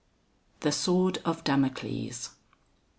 THE SWORD OF DAMOCLES.